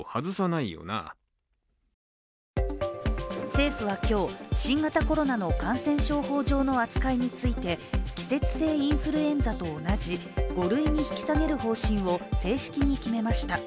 政府は今日、新型コロナの感染症法上の扱いについて季節性インフルエンザと同じ５類に引き下げる方針を正式に決めました。